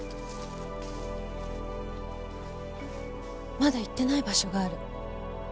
まだ行ってない場所がある。